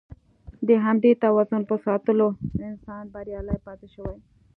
د همدې توازن په ساتلو انسان بریالی پاتې شوی.